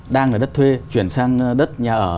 đang ở đất thuê chuyển sang đất nhà ở